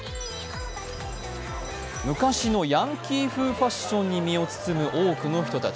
昔のヤンキー風ファッションに身を包む多くの人たち。